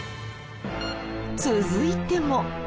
続いても。